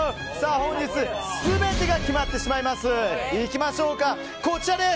本日、全てが決まってしまいます。